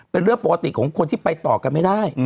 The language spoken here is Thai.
เป็นเรื่องปกติของคนที่ไปต่อกันไม่ได้